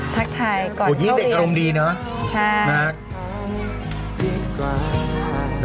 ทักทายก่อนเท่าไหร่ใช่มากคุณนี่เป็นเด็กอารมณ์ดีเนอะ